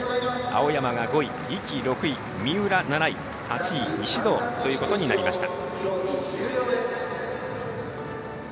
青山が５位、壹岐が６位三浦が７位８位石堂ということになりました。